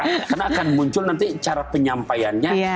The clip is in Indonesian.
karena akan muncul nanti cara penyampaiannya